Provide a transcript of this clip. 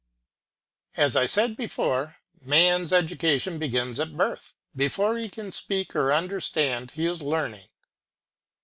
As I said before, man's education begins at birth; before he can speak or understand he is learning.